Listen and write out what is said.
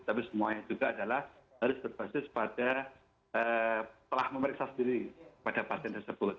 tapi semuanya juga adalah harus berbasis pada telah memeriksa sendiri pada pasien tersebut